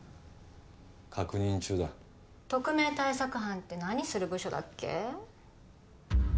確認中だ特命対策班って何する部署だっけ